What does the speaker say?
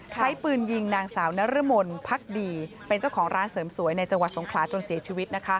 ใช้ปืนยิงนางสาวนรมนพักดีเป็นเจ้าของร้านเสริมสวยในจังหวัดสงขลาจนเสียชีวิต